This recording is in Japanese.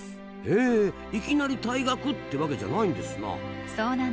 へえいきなり退学ってわけじゃないんですな。